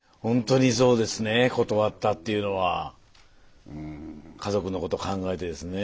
断ったっていうのは家族のこと考えてですね。